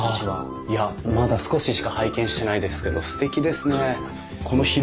いやまだ少ししか拝見してないですけどすてきですね。